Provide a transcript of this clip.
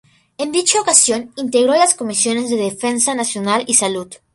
En dicha ocasión, integró las comisiones de Defensa Nacional y Salud.